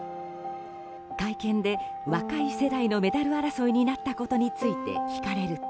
会見で若い世代のメダル争いになったことについて聞かれると。